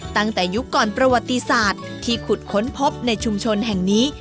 ตั้งแต่ยุคก่อนประวัติศาสตร์ที่ขุดค้นพบในชุมชนแห่งนี้